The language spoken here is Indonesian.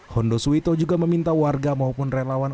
hondo suwito juga meminta warga maupun relawan